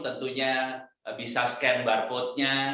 tentunya bisa scan barcode nya